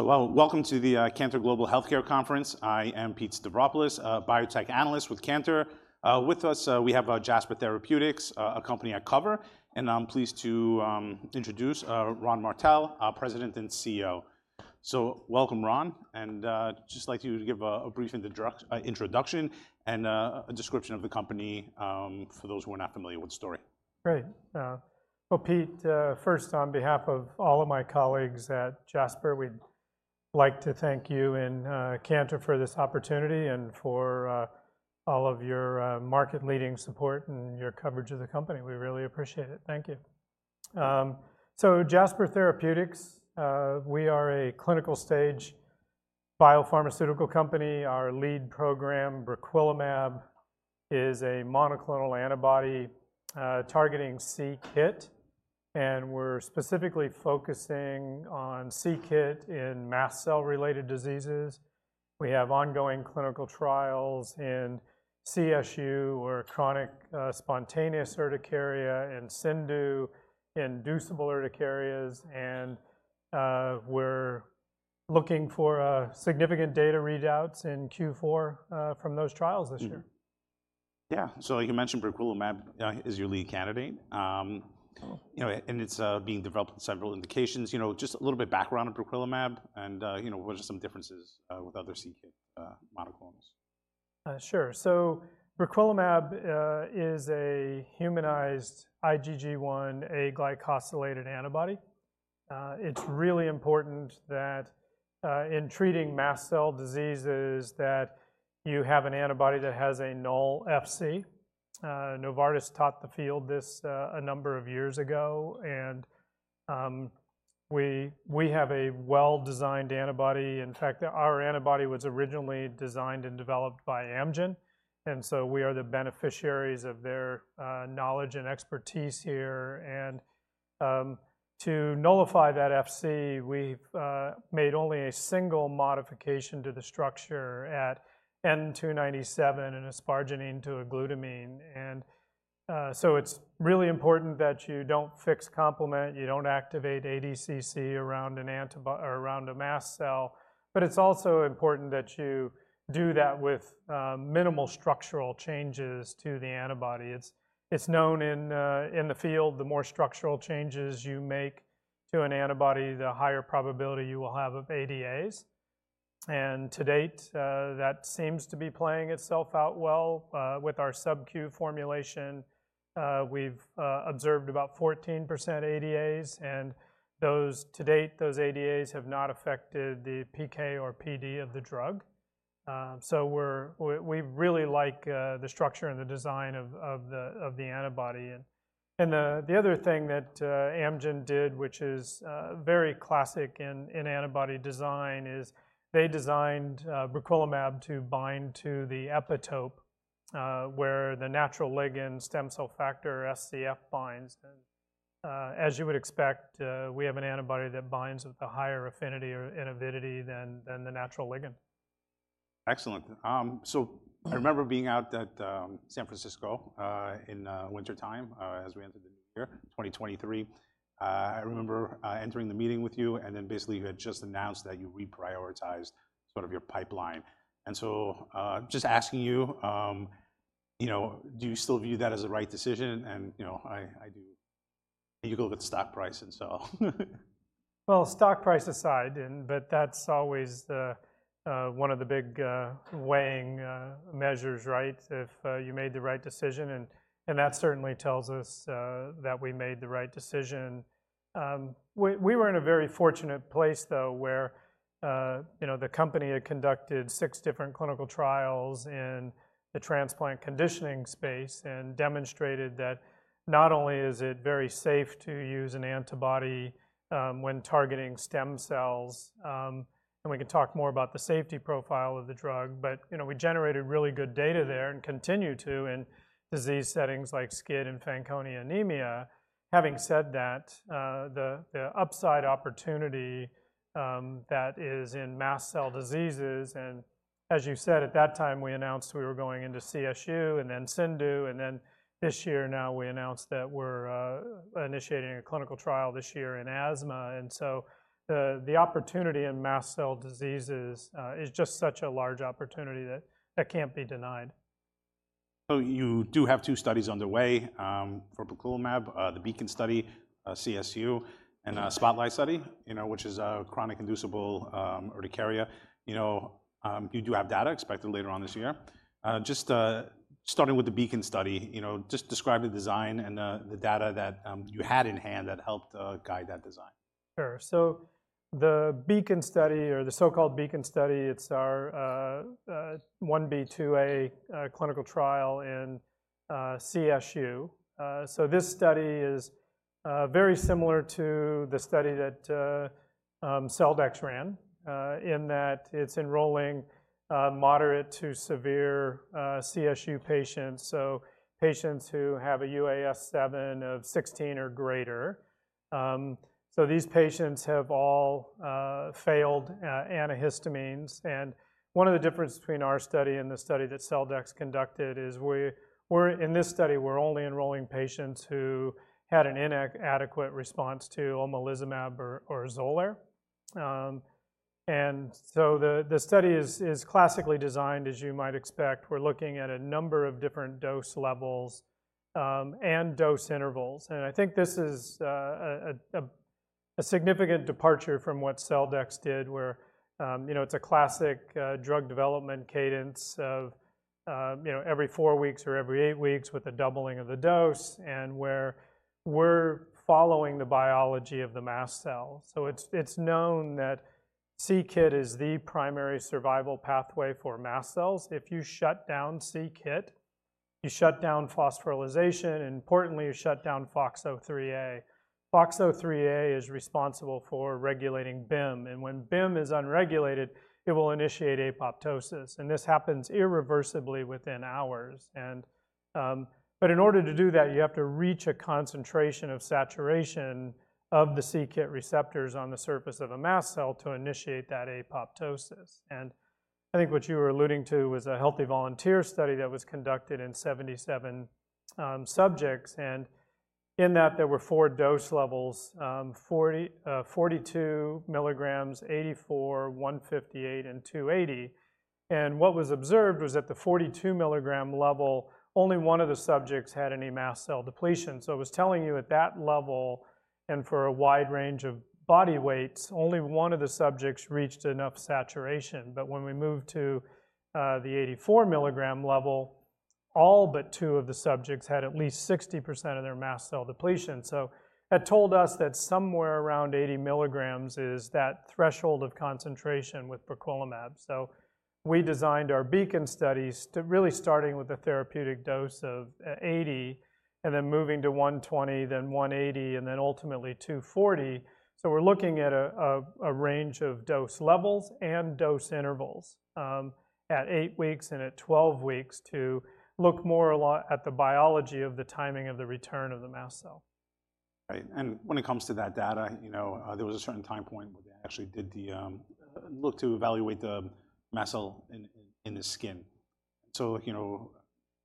Welcome to the Cantor Global Healthcare Conference. I am Pete Stavropoulos, a Biotech Analyst with Cantor. With us we have Jasper Therapeutics, a company I cover, and I'm pleased to introduce Ron Martell, our President and CEO. Welcome, Ron, and just like you to give a brief introduction, and a description of the company for those who are not familiar with the story. Great. Well, Pete, first on behalf of all of my colleagues at Jasper, we'd like to thank you and Cantor for this opportunity, and for all of your market-leading support and your coverage of the company. We really appreciate it. Thank you. So Jasper Therapeutics, we are a clinical stage biopharmaceutical company. Our lead program, briquilimab, is a monoclonal antibody targeting c-Kit, and we're specifically focusing on c-Kit in mast cell-related diseases. We have ongoing clinical trials in CSU, or chronic spontaneous urticaria, and CIndU, inducible urticarias, and we're looking for significant data readouts in Q4 from those trials this year. Yeah, so like you mentioned, briquilimab is your lead candidate. You know, and it's being developed in several indications. You know, just a little bit background on briquilimab, and you know, what are some differences with other c-Kit monoclonals? Sure. So briquilimab is a humanized IgG1, a glycosylated antibody. It's really important that in treating mast cell diseases, that you have an antibody that has a null Fc. Novartis taught the field this a number of years ago, and we have a well-designed antibody. In fact, our antibody was originally designed and developed by Amgen, and so we are the beneficiaries of their knowledge and expertise here. To nullify that Fc, we've made only a single modification to the structure at N297, an asparagine to a glutamine. So it's really important that you don't fix complement, you don't activate ADCC around an antibody or around a mast cell, but it's also important that you do that with minimal structural changes to the antibody. It's known in the field, the more structural changes you make to an antibody, the higher probability you will have of ADAs. And to date, that seems to be playing itself out well. With our subQ formulation, we've observed about 14% ADAs, and those to date, those ADAs have not affected the PK/PD of the drug. So we really like the structure and the design of the antibody. And the other thing that Amgen did, which is very classic in antibody design, is they designed briquilimab to bind to the epitope where the natural ligand stem cell factor, SCF, binds. And as you would expect, we have an antibody that binds with a higher affinity or avidity than the natural ligand. Excellent. So I remember being out at San Francisco in wintertime as we entered the new year, 2023. I remember entering the meeting with you, and then basically you had just announced that you reprioritized sort of your pipeline. And so just asking you, you know, do you still view that as the right decision? And you know, I do. You can look at the stock price and so. Stock price aside, but that's always the one of the big weighing measures, right? If you made the right decision, and that certainly tells us that we made the right decision. We were in a very fortunate place, though, where you know the company had conducted six different clinical trials in the transplant conditioning space, and demonstrated that not only is it very safe to use an antibody when targeting stem cells, and we can talk more about the safety profile of the drug. We generated really good data there, and continue to in disease settings like SCID and Fanconi anemia. Having said that, the upside opportunity that is in mast cell diseases, and as you said, at that time, we announced we were going into CSU and then CIndU, and then this year now we announced that we're initiating a clinical trial this year in asthma. And so the opportunity in mast cell diseases is just such a large opportunity that can't be denied. So you do have two studies underway, for briquilimab, the BEACON study, CSU, and, SPOTLIGHT study, you know, which is, chronic inducible urticaria. You know, you do have data expected later on this year. Just, starting with the BEACON study, you know, just describe the design and, the data that, you had in hand that helped, guide that design. Sure. So the BEACON study, or the so-called BEACON study, it's our 1b, 2a clinical trial in CSU. So this study is very similar to the study that Celldex ran in that it's enrolling moderate to severe CSU patients, so patients who have a UAS7 of 16 or greater. So these patients have all failed antihistamines. And one of the differences between our study and the study that Celldex conducted is we're in this study only enrolling patients who had an inadequate response to omalizumab or Xolair. And so the study is classically designed, as you might expect. We're looking at a number of different dose levels and dose intervals. And I think this is a significant departure from what Celldex did, where you know, it's a classic drug development cadence of you know, every four weeks or every eight weeks, with a doubling of the dose, and where we're following the biology of the mast cell. So it's known that c-Kit is the primary survival pathway for mast cells. If you shut down c-Kit, you shut down phosphorylation, and importantly, you shut down FOXO3a. FOXO3a is responsible for regulating Bim, and when Bim is unregulated, it will initiate apoptosis, and this happens irreversibly within hours. But in order to do that, you have to reach a concentration of saturation of the c-Kit receptors on the surface of a mast cell to initiate that apoptosis. I think what you were alluding to was a healthy volunteer study that was conducted in 77 subjects, and in that, there were four dose levels: 42 milligrams, 84, 158, and 280. What was observed was at the 42 milligram level, only one of the subjects had any mast cell depletion. So it was telling you at that level, and for a wide range of body weights, only one of the subjects reached enough saturation. But when we moved to the 84 milligram level, all but two of the subjects had at least 60% of their mast cell depletion. So that told us that somewhere around 80 milligrams is that threshold of concentration with briquilimab. We designed our BEACON studies to really starting with a therapeutic dose of 80, and then moving to 120, then 180, and then ultimately, 240. So we're looking at a range of dose levels and dose intervals at 8 weeks and at 12 weeks, to look more at the biology of the timing of the return of the mast cell. Right. And when it comes to that data, you know, there was a certain time point where they actually looked to evaluate the mast cell in the skin. So, you know,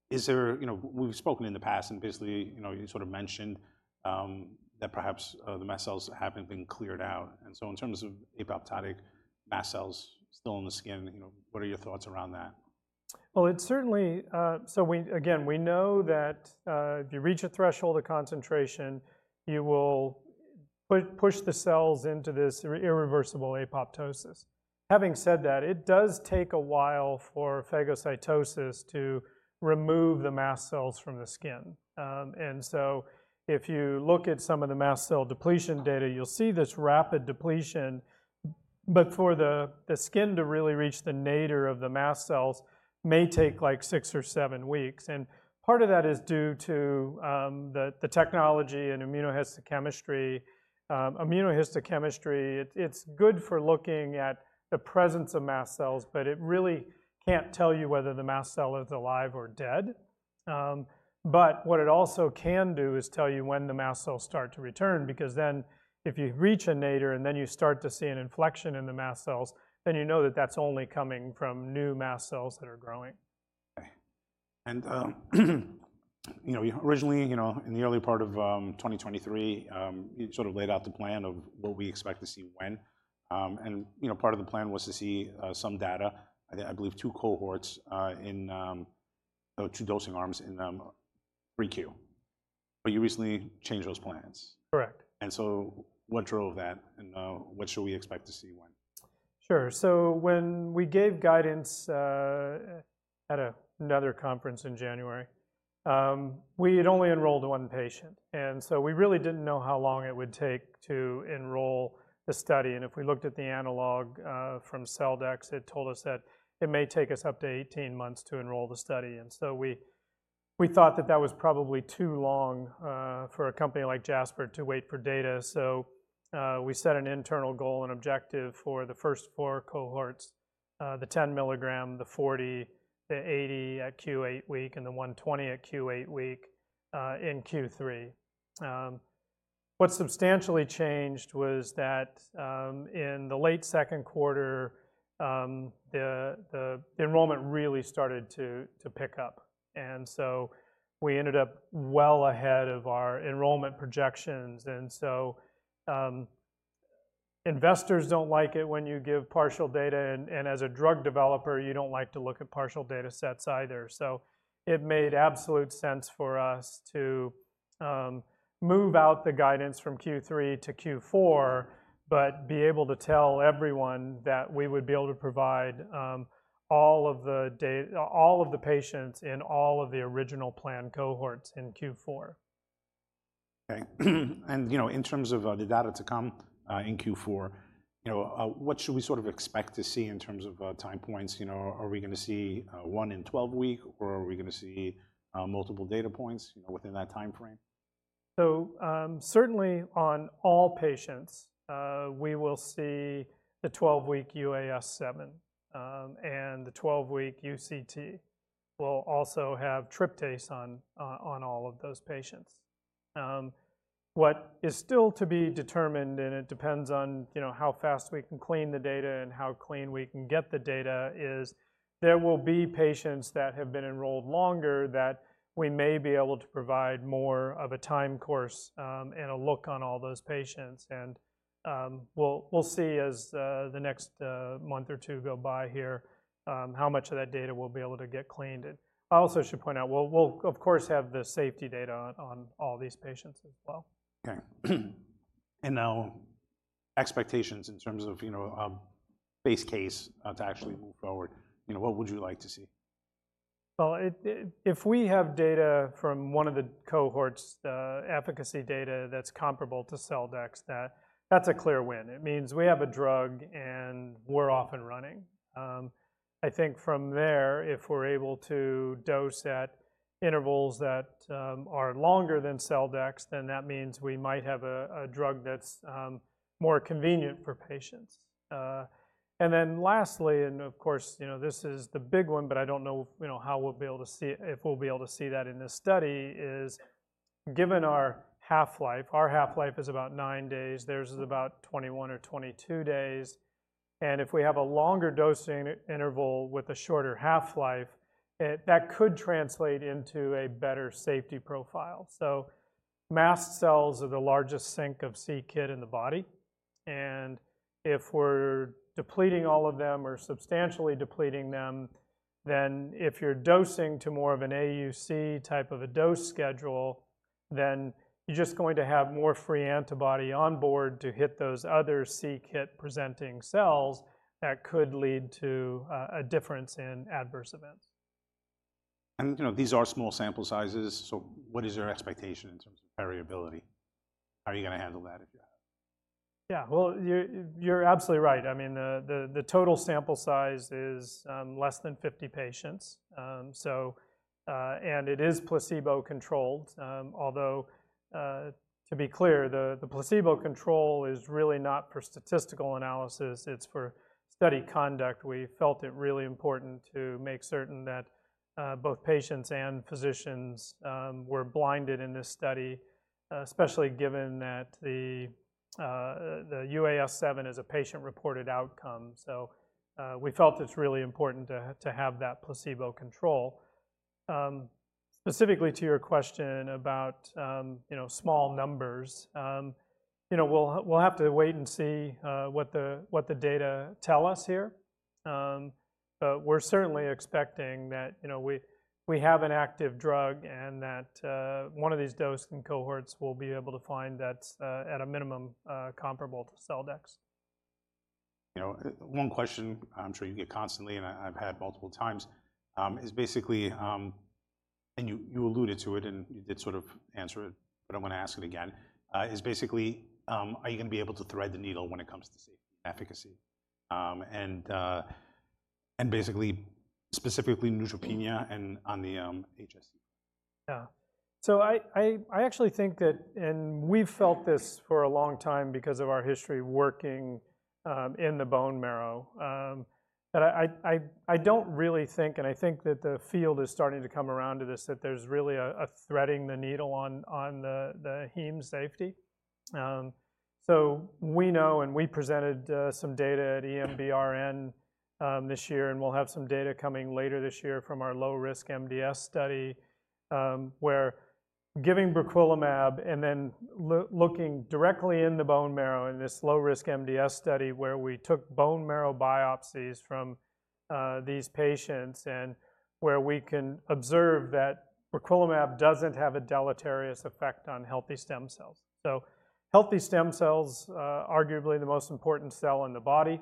is there. You know, we've spoken in the past, and basically, you know, you sort of mentioned that perhaps the mast cells haven't been cleared out. And so in terms of apoptotic mast cells still in the skin, you know, what are your thoughts around that? It's certainly. So again, we know that if you reach a threshold of concentration, you will push the cells into this irreversible apoptosis. Having said that, it does take a while for phagocytosis to remove the mast cells from the skin. And so if you look at some of the mast cell depletion data, you'll see this rapid depletion. But for the skin to really reach the nadir of the mast cells, may take, like, six or seven weeks. And part of that is due to the technology and immunohistochemistry. Immunohistochemistry, it's good for looking at the presence of mast cells, but it really can't tell you whether the mast cell is alive or dead. But what it also can do is tell you when the mast cells start to return, because then if you reach a nadir, and then you start to see an inflection in the mast cells, then you know that that's only coming from new mast cells that are growing. Okay. And you know, originally, you know, in the early part of 2023, you sort of laid out the plan of what we expect to see when. And you know, part of the plan was to see some data. I believe two cohorts in 3Q. But you recently changed those plans. Correct. And so what drove that, and what should we expect to see when? Sure. So when we gave guidance at another conference in January, we had only enrolled one patient, and so we really didn't know how long it would take to enroll the study. And if we looked at the analog from Celldex, it told us that it may take us up to 18 months to enroll the study. And so we thought that that was probably too long for a company like Jasper to wait for data. So we set an internal goal and objective for the first four cohorts, the 10 milligram, the 40, the 80 at Q8 week, and the 120 at Q8 week in Q3. What substantially changed was that, in the late second quarter, the enrollment really started to pick up, and so we ended up well ahead of our enrollment projections, and so investors don't like it when you give partial data, and as a drug developer, you don't like to look at partial data sets either, so it made absolute sense for us to move out the guidance from Q3 to Q4, but be able to tell everyone that we would be able to provide all of the patients in all of the original planned cohorts in Q4. Okay. And, you know, in terms of the data to come in Q4, you know, what should we sort of expect to see in terms of time points? You know, are we gonna see one- and 12-week, or are we gonna see multiple data points, you know, within that timeframe? So, certainly on all patients, we will see the 12-week UAS7, and the 12-week UCT. We'll also have tryptase on all of those patients. What is still to be determined, and it depends on, you know, how fast we can clean the data and how clean we can get the data, is there will be patients that have been enrolled longer that we may be able to provide more of a time course, and a look on all those patients. And we'll see as the next month or two go by here how much of that data we'll be able to get cleaned. And I also should point out, we'll of course have the safety data on all these patients as well. Okay. And now, expectations in terms of, you know, base case, to actually move forward, you know, what would you like to see? If we have data from one of the cohorts, the efficacy data that's comparable to Celldex, that's a clear win. It means we have a drug, and we're off and running. I think from there, if we're able to dose at intervals that are longer than Celldex, then that means we might have a drug that's more convenient for patients. And then lastly, and of course, you know, this is the big one, but I don't know, you know, how we'll be able to see if we'll be able to see that in this study, given our half-life, our half-life is about nine days, theirs is about 21 or 22 days, and if we have a longer dosing interval with a shorter half-life, that could translate into a better safety profile. Mast cells are the largest sink of c-Kit in the body, and if we're depleting all of them or substantially depleting them, then if you're dosing to more of an AUC type of a dose schedule, then you're just going to have more free antibody on board to hit those other c-Kit presenting cells that could lead to a difference in adverse events. You know, these are small sample sizes, so what is your expectation in terms of variability? How are you gonna handle that if you have? Yeah, well, you're absolutely right. I mean, the total sample size is less than 50 patients. It is placebo-controlled. Although, to be clear, the placebo control is really not for statistical analysis, it's for study conduct. We felt it really important to make certain that both patients and physicians were blinded in this study, especially given that the UAS7 is a patient-reported outcome. We felt it's really important to have that placebo control. Specifically to your question about, you know, small numbers, you know, we'll have to wait and see what the data tell us here. But we're certainly expecting that, you know, we have an active drug and that one of these dosing cohorts will be able to find that it's at a minimum comparable to Celldex. You know, one question I'm sure you get constantly, and I've had multiple times. And you alluded to it, and you did sort of answer it, but I'm gonna ask it again. Is basically, are you gonna be able to thread the needle when it comes to safety and efficacy? And basically, specifically neutropenia and on the HSC. Yeah. I actually think that, and we've felt this for a long time because of our history working in the bone marrow, that I don't really think, and I think that the field is starting to come around to this, that there's really a threading the needle on the heme safety. So we know, and we presented some data at EMBRN this year, and we'll have some data coming later this year from our low-risk MDS study, where giving briquilimab and then looking directly in the bone marrow in this low-risk MDS study, where we took bone marrow biopsies from these patients, and where we can observe that briquilimab doesn't have a deleterious effect on healthy stem cells. So healthy stem cells, arguably the most important cell in the body,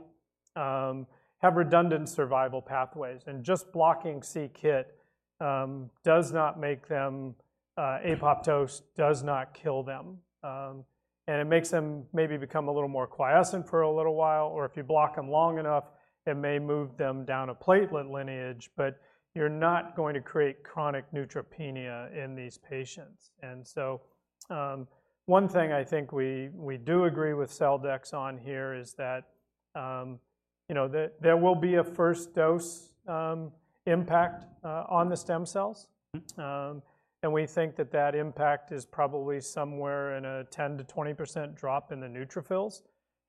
have redundant survival pathways, and just blocking c-Kit does not make them, apoptosis does not kill them. And it makes them maybe become a little more quiescent for a little while, or if you block them long enough, it may move them down a platelet lineage, but you're not going to create chronic neutropenia in these patients. And so, one thing I think we do agree with Celldex on here is that, you know, there will be a first dose impact on the stem cells. And we think that that impact is probably somewhere in a 10%-20% drop in the neutrophils.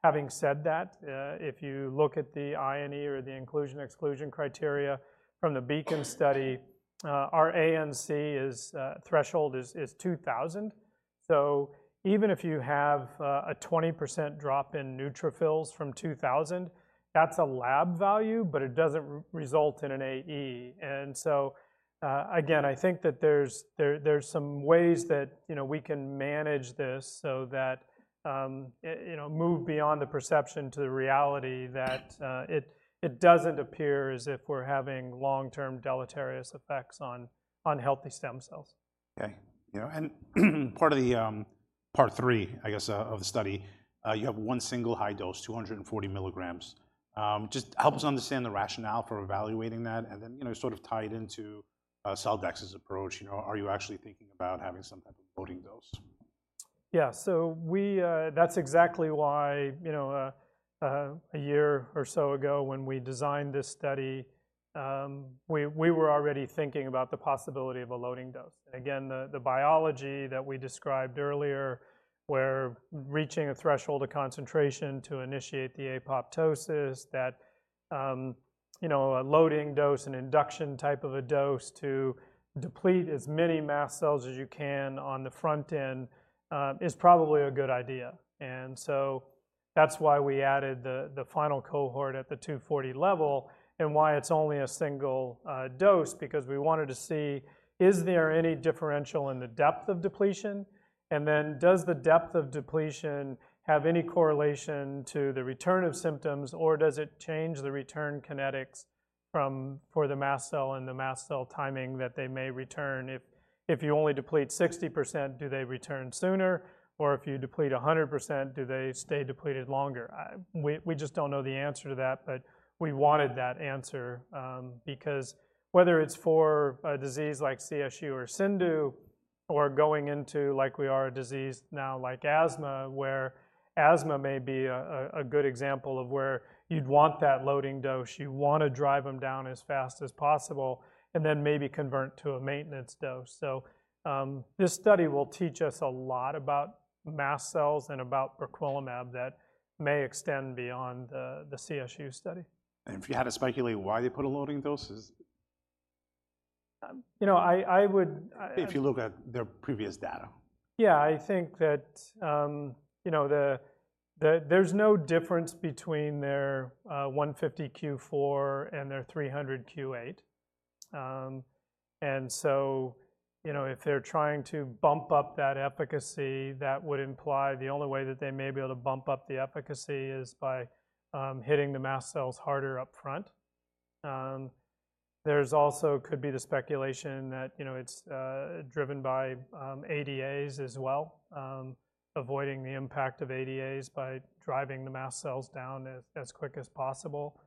Having said that, if you look at the inclusion or exclusion criteria from the BEACON study, our ANC threshold is 2,000. So even if you have a 20% drop in neutrophils from 2,000, that's a lab value, but it doesn't result in an AE. And so, again, I think that there's some ways that, you know, we can manage this so that, you know, move beyond the perception to the reality that it doesn't appear as if we're having long-term deleterious effects on healthy stem cells. Okay. You know, and part of the part three, I guess, of the study, you have one single high dose, 240 milligrams. Just help us understand the rationale for evaluating that, and then, you know, sort of tie it into Celldex's approach. You know, are you actually thinking about having some type of loading dose? Yeah, so we, that's exactly why, you know, a year or so ago, when we designed this study, we were already thinking about the possibility of a loading dose. Again, the biology that we described earlier, where reaching a threshold of concentration to initiate the apoptosis, that, you know, a loading dose, an induction type of a dose to deplete as many mast cells as you can on the front end, is probably a good idea. And so that's why we added the final cohort at the 240 level, and why it's only a single dose, because we wanted to see, is there any differential in the depth of depletion? And then, does the depth of depletion have any correlation to the return of symptoms, or does it change the return kinetics from... for the mast cell and the mast cell timing that they may return? If you only deplete 60%, do they return sooner? Or if you deplete 100%, do they stay depleted longer? We just don't know the answer to that, but we wanted that answer. Because whether it's for a disease like CSU or CIndU, or going into, like we are, a disease now like asthma, where asthma may be a good example of where you'd want that loading dose. You wanna drive them down as fast as possible, and then maybe convert to a maintenance dose. This study will teach us a lot about mast cells and about briquilimab that may extend beyond the CSU study. If you had to speculate why they put a loading dose? You know, I would-- If you look at their previous data. Yeah, I think that, you know, there's no difference between their 150 Q4 and their 300 Q8. And so, you know, if they're trying to bump up that efficacy, that would imply the only way that they may be able to bump up the efficacy is by hitting the mast cells harder up front. There's also could be the speculation that, you know, it's driven by ADAs as well. Avoiding the impact of ADAs by driving the mast cells down as quick as possible.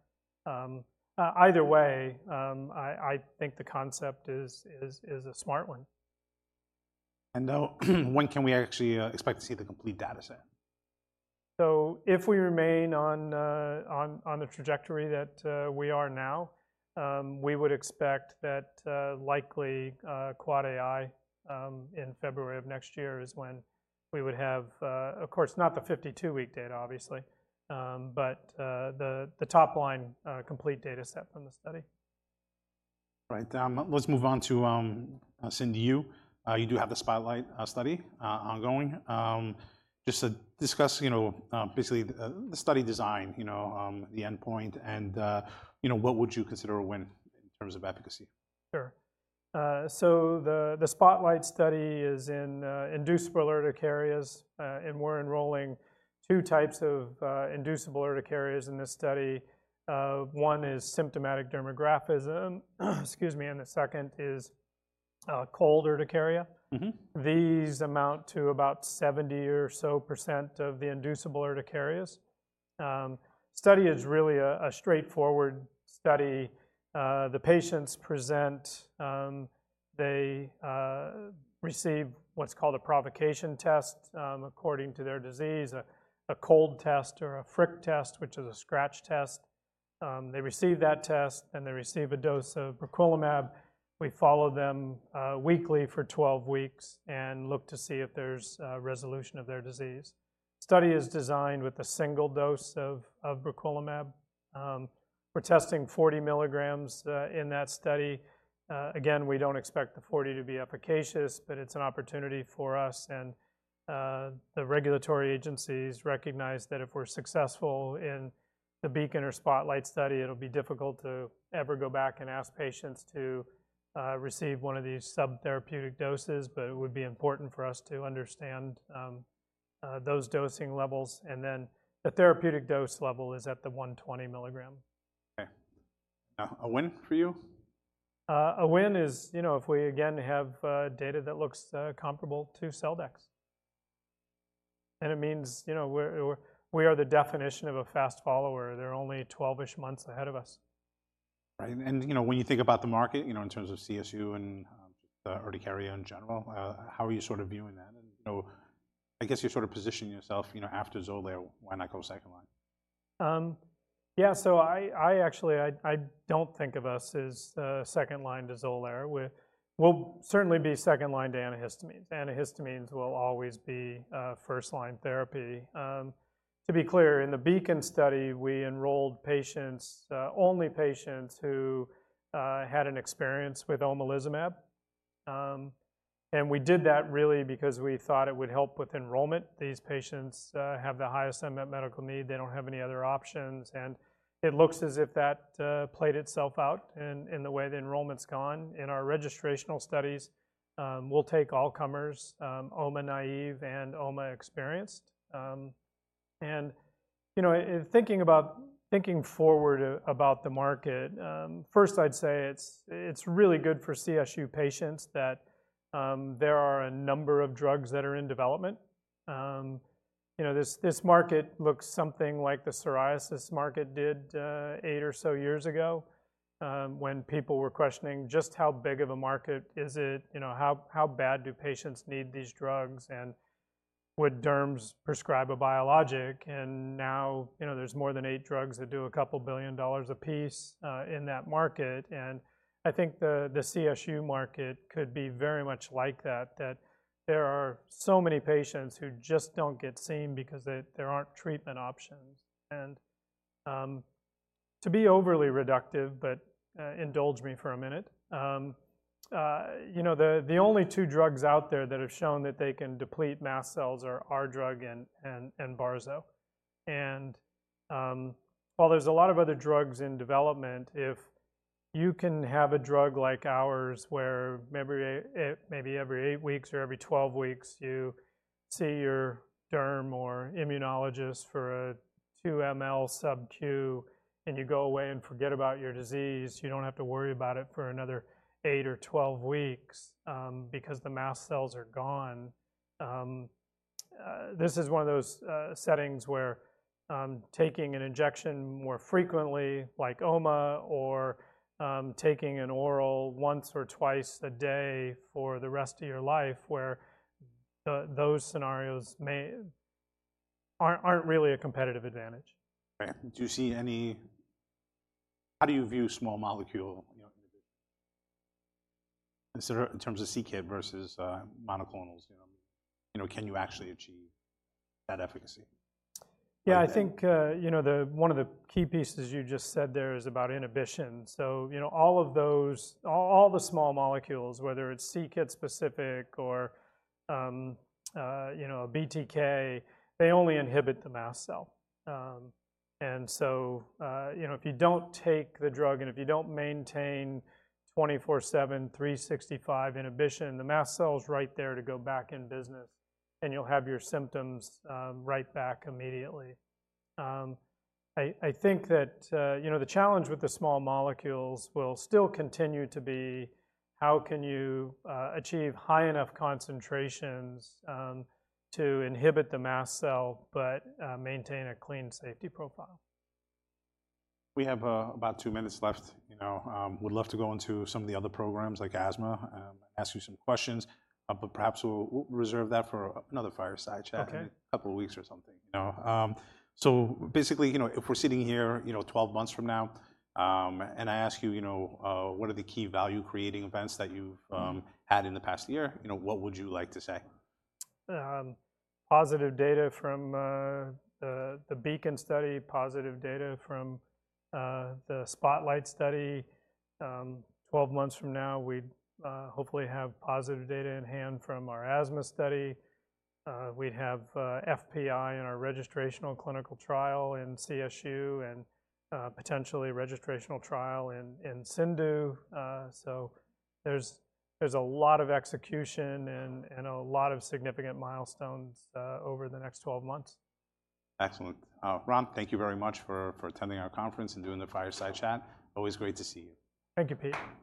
Either way, I think the concept is a smart one. And now, when can we actually expect to see the complete data set? So if we remain on the trajectory that we are now, we would expect that likely Quad AI in February of next year is when we would have, of course, not the 52-week data, obviously, but the top line complete data set from the study. Right. Let's move on to CIndU. You do have the SPOTLIGHT study ongoing. Just to discuss, you know, basically, the study design, you know, the endpoint, and, you know, what would you consider a win in terms of efficacy? Sure. So the SPOTLIGHT study is in inducible urticarias, and we're enrolling two types of inducible urticarias in this study. One is symptomatic dermographism, excuse me, and the second is cold urticaria. These amount to about 70% or so of the inducible urticarias. Study is really a straightforward study. The patients present. They receive what's called a provocation test, according to their disease, a cold test or a friction test, which is a scratch test. They receive that test, and they receive a dose of briquilimab. We follow them weekly for 12 weeks and look to see if there's a resolution of their disease. Study is designed with a single dose of briquilimab. We're testing 40 milligrams in that study. Again, we don't expect the 40 to be efficacious, but it's an opportunity for us and the regulatory agencies recognize that if we're successful in the BEACON or SPOTLIGHT study, it'll be difficult to ever go back and ask patients to receive one of these sub-therapeutic doses. But it would be important for us to understand those dosing levels, and then the therapeutic dose level is at the 120 milligram. Okay. Now, a win for you? A win is, you know, if we again have data that looks comparable to Celldex, and it means, you know, we are the definition of a fast follower. They're only 12-ish months ahead of us. Right. And, you know, when you think about the market, you know, in terms of CSU and urticaria in general, how are you sort of viewing that? And, you know, I guess you're sort of positioning yourself, you know, after Xolair, why not go second line? Yeah, so I actually don't think of us as the second line to Xolair. We'll certainly be second line to antihistamines. Antihistamines will always be a first-line therapy. To be clear, in the BEACON study, we enrolled only patients who had an experience with omalizumab. And we did that really because we thought it would help with enrollment. These patients have the highest unmet medical need. They don't have any other options, and it looks as if that played itself out in the way the enrollment's gone. In our registrational studies, we'll take all comers, Oma naive and OMA experienced. And, you know, in thinking forward about the market, first, I'd say it's really good for CSU patients that there are a number of drugs that are in development. You know, this market looks something like the psoriasis market did, eight or so years ago, when people were questioning just how big of a market is it? You know, how bad do patients need these drugs, and would derms prescribe a biologic? And now, you know, there's more than eight drugs that do couple of billion dollars each, in that market, and I think the CSU market could be very much like that, that there are so many patients who just don't get seen because there aren't treatment options. And, to be overly reductive, but, indulge me for a minute. You know, the only two drugs out there that have shown that they can deplete mast cells are our drug and barzo. While there's a lot of other drugs in development, if you can have a drug like ours, where maybe every eight weeks or every 12 weeks, you see your derm or immunologist for a 2 ml sub-Q, and you go away and forget about your disease, you don't have to worry about it for another 8 or 12 weeks, because the mast cells are gone. This is one of those settings where taking an injection more frequently, like OMA or taking an oral once or twice a day for the rest of your life, where the those scenarios may aren't really a competitive advantage. Right. How do you view small molecule, you know, in terms of c-Kit versus monoclonals, you know? You know, can you actually achieve that efficacy? Yeah, I think, you know, the one of the key pieces you just said there is about inhibition. So, you know, all of those, all the small molecules, whether it's c-Kit specific or, you know, BTK, they only inhibit the mast cell. And so, you know, if you don't take the drug, and if you don't maintain 24/7, 365 inhibition, the mast cell's right there to go back in business, and you'll have your symptoms right back immediately. I think that, you know, the challenge with the small molecules will still continue to be: How can you achieve high enough concentrations to inhibit the mast cell, but maintain a clean safety profile? We have about two minutes left, you know. Would love to go into some of the other programs like asthma, ask you some questions, but perhaps we'll reserve that for another fireside chat in a couple of weeks or something, you know? So basically, you know, if we're sitting here, you know, 12 months from now, and I ask you, you know, what are the key value-creating events that you've had in the past year? You know, what would you like to say? Positive data from the BEACON study, positive data from the SPOTLIGHT study. 12 months from now, we'd hopefully have positive data in hand from our asthma study. We'd have FPI in our registrational clinical trial in CSU and potentially registrational trial in CIndU. So there's a lot of execution and a lot of significant milestones over the next 12 months. Excellent. Ron, thank you very much for attending our conference and doing the fireside chat. Always great to see you. Thank you, Pete.